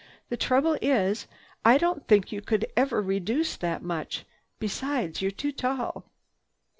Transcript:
"The trouble is, I don't think you could ever reduce that much. Besides, you're too tall."